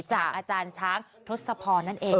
จากอาจารย์ช้างทศพรนั่นเอง